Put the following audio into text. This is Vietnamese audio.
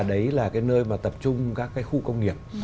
đấy là nơi tập trung các khu công nghiệp